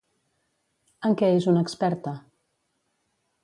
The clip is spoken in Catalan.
En què és una experta?